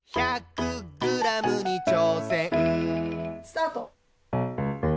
・スタート！